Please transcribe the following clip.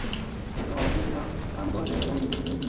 বাংলাদেশের অন্যতম সফল উদ্যোক্তা হিসেবে তিনি কিংবদন্তি।